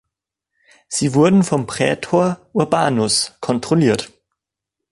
Sie wurden vom „praetor urbanus“ kontrolliert.